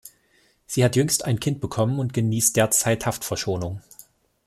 Sie hat jüngst ein Kind bekommen und genießt derzeit Haftverschonung.